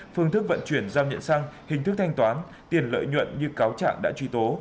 phương thức vận chuyển giao nhận sang hình thức thanh toán tiền lợi nhuận như cáo trạng đã truy tố